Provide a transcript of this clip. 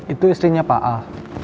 itu istrinya pak al